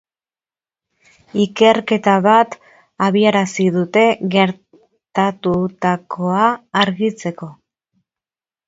Ikerketa bat abiarazi dute gertatutako argitzeko.